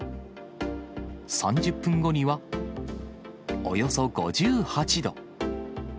３０分後にはおよそ５８度。